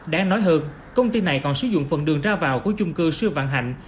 đáng nói hơn công ty này còn sử dụng phần đường ra vào của chung cư sư vạn hạnh